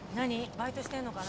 バイトしてるのかな？